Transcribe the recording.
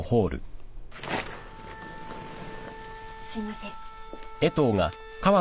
すいません。